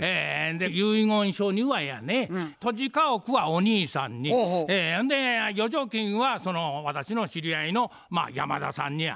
で遺言書にはやね土地家屋はお兄さんにほんで預貯金はその私の知り合いの山田さんにや。